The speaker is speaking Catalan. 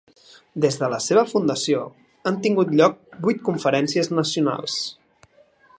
Des de la seva fundació, han tingut lloc vuit conferències nacionals.